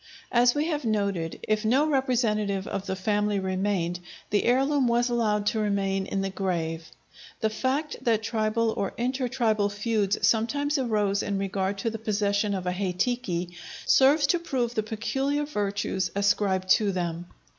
As we have noted, if no representative of the family remained, the heirloom was allowed to remain in the grave. The fact that tribal or intertribal feuds sometimes arose in regard to the possession of a hei tiki serves to prove the peculiar virtues ascribed to them.